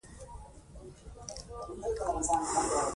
نن شپه څلور سپوږمۍ پوره دي.